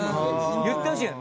言ってほしいの。